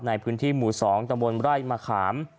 ในพื้นที่หมู่๒ตะบนไร่มะขาม